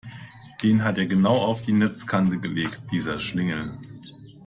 Den hat er genau auf die Netzkante gelegt, dieser Schlingel!